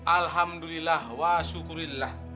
alhamdulillah wa syukurillah